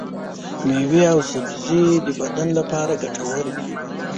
ميوې او سبزي د بدن لپاره ګټورې دي.